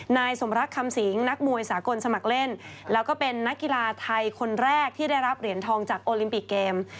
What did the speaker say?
นายสมรักคำสิงนักมวยสากลสมัครเล่นแล้วก็เป็นนักกีฬาไทยคนแรกที่ได้รับเหรียญทองจากโอลิมปิกเกม